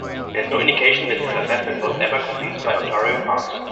There is no indication that this assessment was ever completed by Ontario Parks.